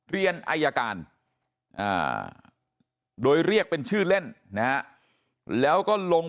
เรียนอายการโดยเรียกเป็นชื่อเล่นนะฮะแล้วก็ลง